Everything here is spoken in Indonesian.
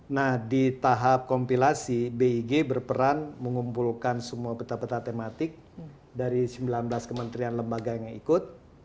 nah di tahap kompilasi big berperan mengumpulkan semua peta peta tematik dari sembilan belas kementerian lembaga yang ikut